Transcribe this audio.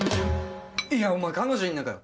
いやお前彼女いんのかよ！